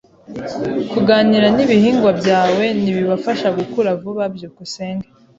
Kuganira nibihingwa byawe ntibibafasha gukura vuba. byukusenge